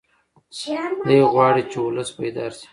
دی غواړي چې ولس بیدار شي.